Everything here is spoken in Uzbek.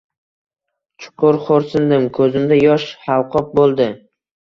Chuqur xo‘rsindim. Ko‘zimda yosh halqob bo‘ldi.